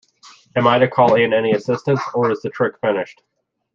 Am I to call in any assistance, or is the trick finished?